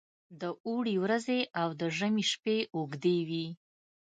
د اوړي ورځې او د ژمي شپې اوږې وي.